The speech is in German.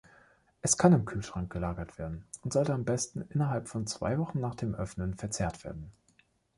Es kann im Kühlschrank gelagert werden und sollte am besten innerhalb von zwei Wochen nach dem Öffnen verzehrt werden.